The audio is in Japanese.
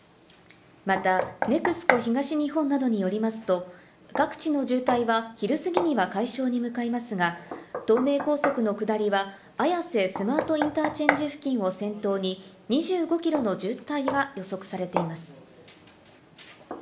また、ＮＥＸＣＯ東日本などによりますと、各地の渋滞は昼すぎには解消に向かいますが、東名高速の下りは綾瀬スマートインターチェンジ付近を先頭に２５キロの渋滞が予測されています。